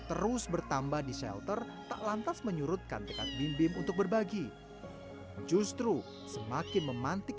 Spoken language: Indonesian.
terus bertambah di shelter tak lantas menyurutkan tekad bim bim untuk berbagi justru semakin memantik